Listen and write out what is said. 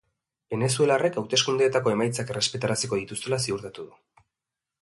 Venezuelarrek hauteskundeetako emaitzak errespetaraziko dituztela ziurtatu du.